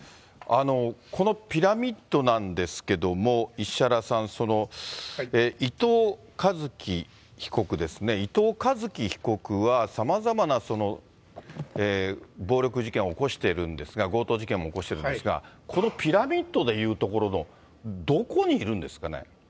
このピラミッドなんですけれども、石原さん、伊藤一輝被告ですね、伊藤一輝被告はさまざまな暴力事件を起こしているんですが、強盗事件も起こしているんですが、このピラミッドでいうところの、どこにいるんですかね。